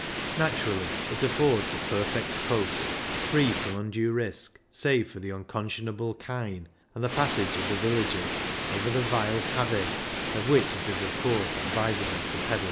Naturally, it affords a perfect coast, free from undue risk save for the uncon scionable kine and the passage of the villages, over the vile pavi of which it is, of course, advisable to pedal.